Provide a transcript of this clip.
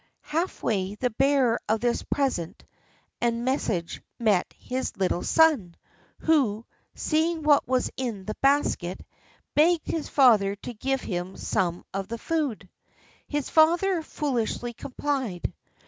Half way the bearer of this present and message met his little son, who, seeing what was in the basket, begged his father to give him some of the food. His father foolishly complied.